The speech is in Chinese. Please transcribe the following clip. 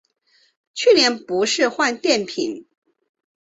去年不是换电瓶